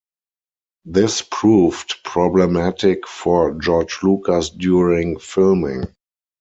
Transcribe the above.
This proved problematic for George Lucas during filming.